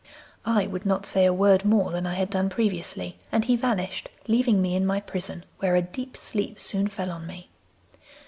'I would not say a word more than I had done previously, and he vanished, leaving me in my prison, where a deep sleep soon fell on me.